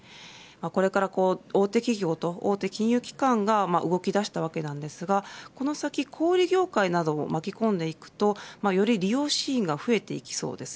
これから大手企業と大手金融機関が動き出したわけですがこの先、小売り業界なども巻き込んでいくとより利用シーンが増えていきそうです。